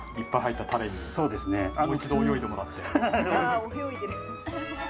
あ泳いでる。